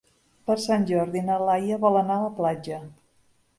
Per Sant Jordi na Laia vol anar a la platja.